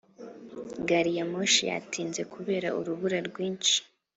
gari ya moshi yatinze kubera urubura rwinshi.